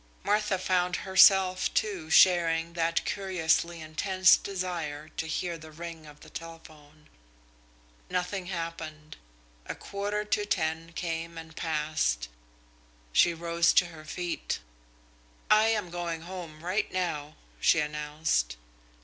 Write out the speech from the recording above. Martha found herself, too, sharing that curiously intense desire to hear the ring of the telephone. Nothing happened. A quarter to ten came and passed. She rose to her feet. "I am going home right now," she announced.